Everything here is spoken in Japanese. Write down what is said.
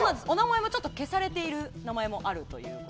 消されている名前もあるということで。